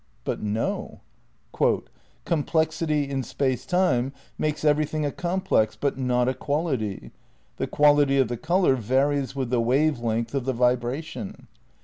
But no. "Complexity in Space Time makes everything a complex, but not a quality. ... The quality of the colour varies with the wave length of the vibration.